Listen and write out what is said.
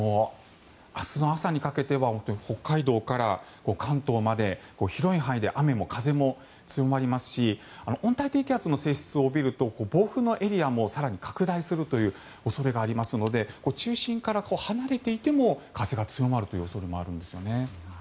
明日の朝にかけては北海道から関東まで広い範囲で雨も風も強まりますし温帯低気圧の性質を帯びると暴風のエリアも更に拡大する恐れがありますので中心から離れていても強まる予測があるんですよね。